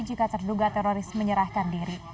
jika terduga teroris menyerahkan diri